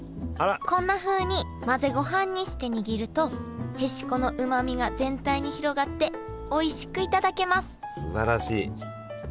こんなふうに混ぜごはんにして握るとへしこのうまみが全体に広がっておいしく頂けます